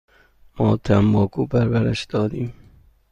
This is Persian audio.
ما تنباکو پرورش دادیم.